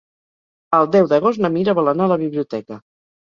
El deu d'agost na Mira vol anar a la biblioteca.